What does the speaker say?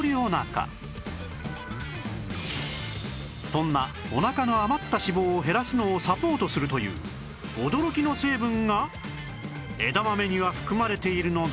そんなおなかの余った脂肪を減らすのをサポートするという驚きの成分が枝豆には含まれているのです